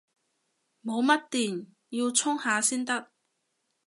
冇乜電，要充下先得